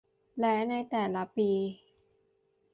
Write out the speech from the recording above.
และในแต่ละปี